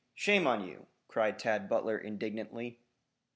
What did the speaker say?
Shame on you!" cried Tad Butler indignantly.